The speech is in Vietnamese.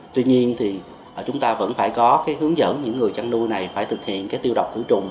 tuy nhiên thì chúng ta vẫn phải có hướng dẫn những người chăn nuôi này phải thực hiện tiêu độc khử trùng